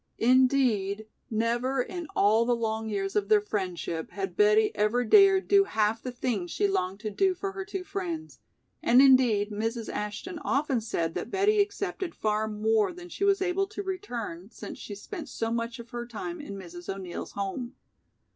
Indeed, never in all the long years of their friendship had Betty ever dared do half the things she longed to do for her two friends, and indeed Mrs. Ashton often said that Betty accepted far more than she was able to return, since she spent so much of her time in Mrs. O'Neill's home.